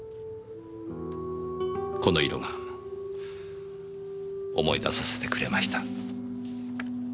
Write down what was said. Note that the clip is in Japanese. この色が思い出させてくれました。